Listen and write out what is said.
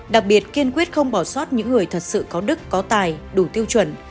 đặc biệt kiên quyết không bỏ sót những người thật sự có đức có tài đủ tiêu chuẩn